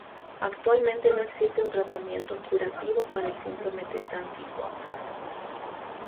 Actualmente no existe un tratamiento curativo para el síndrome de Dandy Walker.